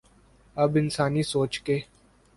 اب انسانی سوچ کے